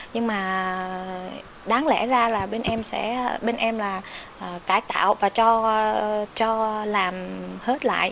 nhưng mà đáng lẽ ra là bên em là cải tạo và cho làm hết lại